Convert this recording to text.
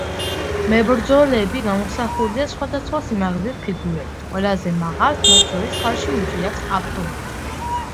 მებრძოლები გამოსახულია სხვადასხვა სიმაღლის ფიგურებით, ყველაზე მაღალს მათ შორის ხელში უჭირავს ავტომატი.